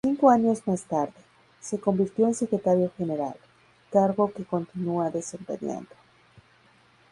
Cinco años más tarde, se convirtió en secretario general, cargo que continúa desempeñando.